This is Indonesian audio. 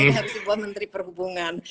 dari sebuah menteri perhubungan